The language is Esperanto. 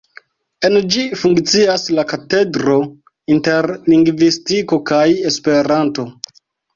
En ĝi funkcias la Katedro Interlingvistiko kaj Esperanto.